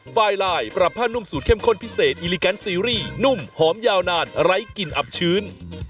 ไฟลายปรับผ้านุ่มสูตรเข้มข้นพิเศษอิลิแกนซีรีส์นุ่มหอมยาวนานไร้กลิ่นอับชื้น